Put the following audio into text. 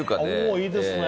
いいですね。